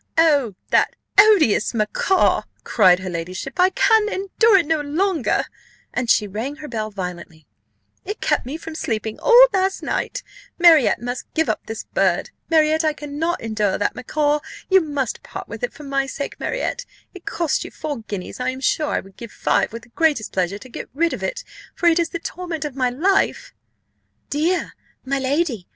"Oh, that odious macaw!" cried her ladyship, "I can endure it no longer" (and she rang her bell violently): "it kept me from sleeping all last night Marriott must give up this bird. Marriott, I cannot endure that macaw you must part with it for my sake, Marriott. It cost you four guineas: I am sure I would give five with the greatest pleasure to get rid of it, for it is the torment of my life." "Dear, my lady!